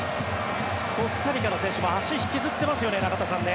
コスタリカの選手も足を引きずっていますよね。